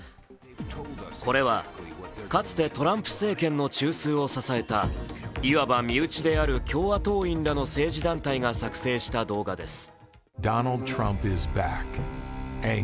これはかつてトランプ政権の中枢を支えたいわば身内である共和党員らの政治団体が作成した動画です。